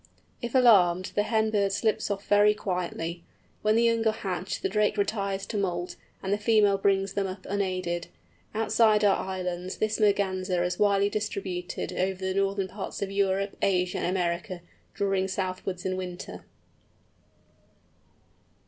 If alarmed, the hen bird slips off very quietly. When the young are hatched the drake retires to moult, and the female brings them up unaided. Outside our islands this Merganser is widely distributed over the northern parts of Europe, Asia, and America, drawing southwards in winter.